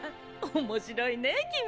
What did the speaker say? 面白いねぇ君！